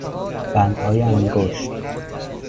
بندهای انگشت